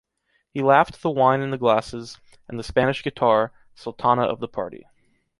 He laughed the wine in the glasses, and the Spanish guitar, sultana of the party